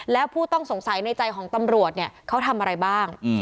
แล้วผู้ต้องสงสัยในใจของตำรวจเนี่ยเขาทำอะไรบ้าง